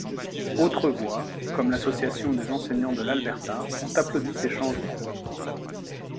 Autres voix, comme l'Association des enseignants de l'Alberta, ont applaudi ces changements.